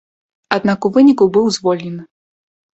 Аднак у выніку быў звольнены.